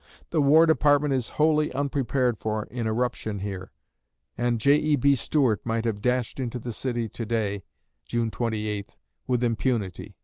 The War Department is wholly unprepared for an irruption here, and J.E.B. Stuart might have dashed into the city to day [June 28] with impunity....